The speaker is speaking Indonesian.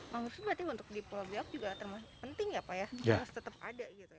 maksudnya berarti untuk di pulau jawa juga termasuk penting ya pak ya harus tetap ada gitu ya